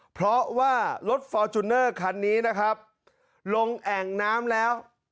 เพราะว่ารถฟอร์จูเนอร์คันนี้นะครับลงแอ่งน้ำแล้ว